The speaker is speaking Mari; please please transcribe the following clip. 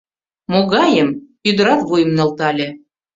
— Могайым? — ӱдырат вуйым нӧлтале.